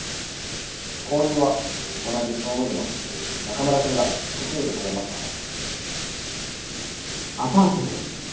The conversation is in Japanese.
後任は同じ総務部の中村くんが引き継いでくれますので。